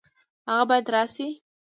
هغه باید راشي